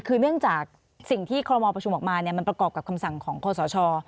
คือเนื่องจากที่คณะมอประชุมออกมาประกอบกับคำสั่งของโครสช